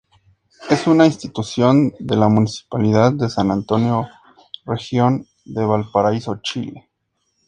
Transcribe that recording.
Es una institución de la Municipalidad de San Antonio, Región de Valparaíso, Chile.